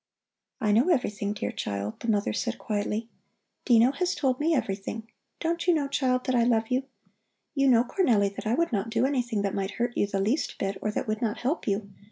"I know everything, dear child," the mother said quietly. "Dino has told me everything. Don't you know, child, that I love you? You know, Cornelli, that I would not do anything that might hurt you the least bit, or that would not help you.